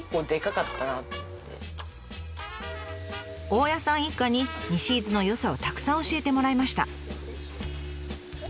大家さん一家に西伊豆の良さをたくさん教えてもらいました。